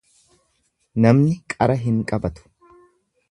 Namni qara hin qabatu.